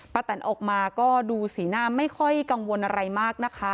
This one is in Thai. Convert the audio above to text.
แตนออกมาก็ดูสีหน้าไม่ค่อยกังวลอะไรมากนะคะ